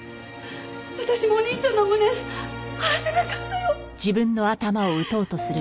私もお兄ちゃんの無念晴らせなかったよ。